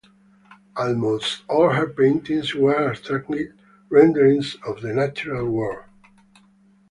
Almost all her paintings were abstracted renderings of the natural world.